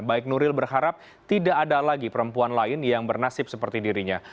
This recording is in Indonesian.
baik nuril berharap tidak ada lagi perempuan lain yang bernasib seperti dirinya